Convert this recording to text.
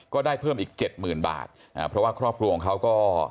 ก็ได้เพิ่มอีกเจ็ดหมื่นบาทอ่าเพราะว่าครอบครัวของเขาก็